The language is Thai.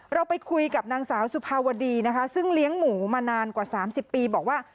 เราไปคุยกับนางสาวสุภาวดีนะคะซึ่งเลี้ยงหมูมานานกว่า๓๐ปีบอกว่า